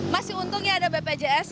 masih untung ya ada bpjs